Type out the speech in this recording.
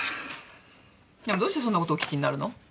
でもどうしてそんなことお聞きになるの？